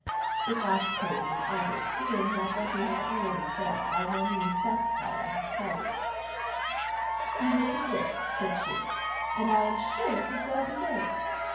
This last praise was added, seeing that what he had already said by no means satisfied Mrs Proudie. 'I hope it will,' said she. 'I am sure it was well deserved.